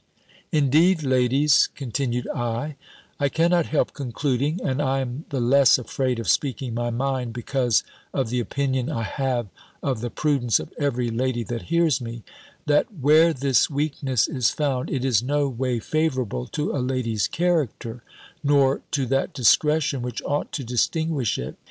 "Indeed, ladies," continued I, "I cannot help concluding (and I am the less afraid of speaking my mind, because of the opinion I have of the prudence of every lady that hears me), that where this weakness is found, it is no way favourable to a lady's character, nor to that discretion which ought to distinguish it.